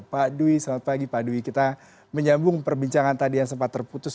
pak dwi selamat pagi pak dwi kita menyambung perbincangan tadi yang sempat terputus